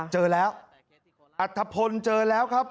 เจอแล้วอัตภพลเจอแล้วครับ